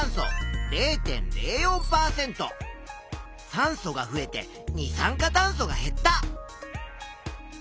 酸素が増えて二酸化炭素が減った。